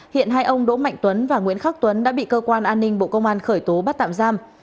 hiện hai ông đỗ mạnh tuấn và nguyễn khắc tuấn đã bị cơ quan an ninh bộ công an khởi tố bắt tạm giam